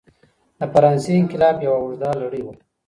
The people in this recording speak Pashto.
د فرانسې انقلاب یوه اوږده لړۍ وه.